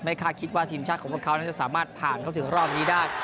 คาดคิดว่าทีมชาติของพวกเขานั้นจะสามารถผ่านเข้าถึงรอบนี้ได้